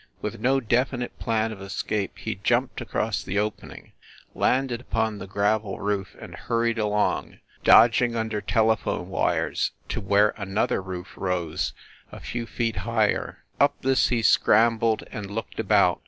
With no definite plan of escape, he jumped across the opening, landed upon the gravel roof and hurried along, dodging under telephone wires, to where another roof rose, a few feet higher. Up this he scrambled and looked about.